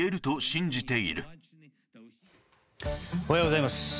おはようございます。